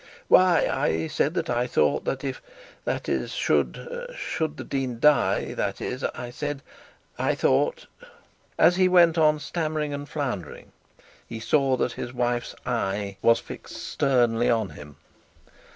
'Why I said that I thought that if, that is, should should the dean die, that is, I said I thought ' As he went on stammering and floundering, he saw that his wife's eye was fixed sternly on him.